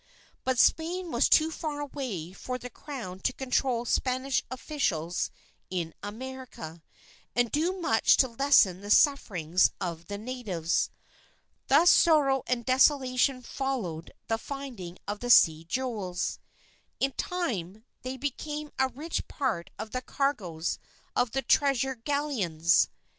But Spain was too far away for the Crown to control Spanish officials in America, and do much to lessen the sufferings of the natives. Thus sorrow and desolation followed the finding of the sea jewels. In time, they became a rich part of the cargoes of the Treasure Galleons.